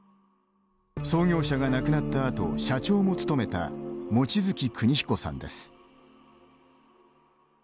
創業者が亡くなったあと社長も務めた望月邦彦さんです。